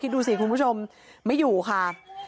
ดูสิคุณผู้ชมไม่อยู่ค่ะ